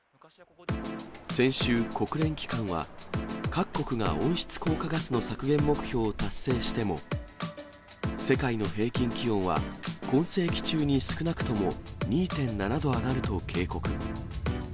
先週、国連機関は、各国が温室効果ガスの削減目標を達成しても、世界の平均気温は今世紀中に少なくとも２．７度上がると警告。